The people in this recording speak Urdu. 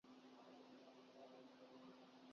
قومی ترانے کے دوراں کھڑا ہوتا ہوں